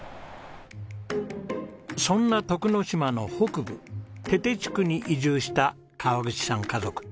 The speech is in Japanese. そんな徳之島の北部手々地区に移住した川口さん家族。